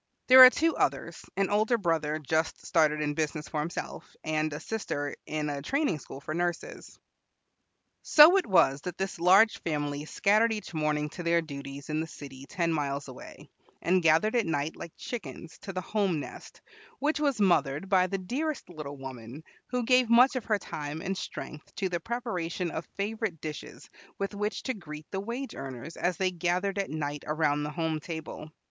There are two others, an older brother just started in business for himself, and a sister in a training school for nurses. So it was that this large family scattered each morning to their duties in the city ten miles away, and gathered at night, like chickens, to the home nest, which was mothered by the dearest little woman, who gave much of her time and strength to the preparation of favorite dishes with which to greet the wage earners as they gathered at night around the home table.